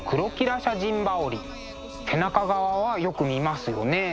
背中側はよく見ますよね。